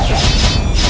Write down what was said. abikara seperti orang asing